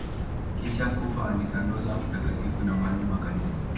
Kisha kufa alitangazwa mtakatifu na mwalimu wa Kanisa.